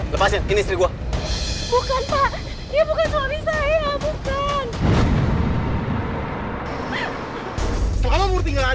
lepasin ini gue bukan pak bukan